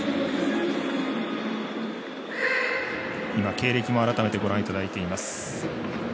経歴も改めてご覧いただいてます。